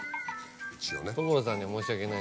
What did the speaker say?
一応ね。